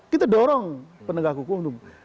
kita dorong penegak hukum